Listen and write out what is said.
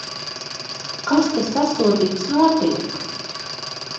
Kas te, sasodīts, notiek?